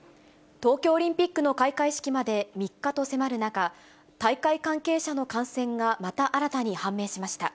東京オリンピックの開会式まで３日と迫る中、大会関係者の感染がまた新たに判明しました。